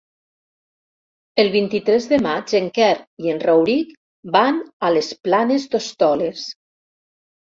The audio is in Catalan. El vint-i-tres de maig en Quer i en Rauric van a les Planes d'Hostoles.